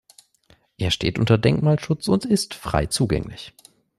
Er steht unter Denkmalschutz und ist frei zugänglich.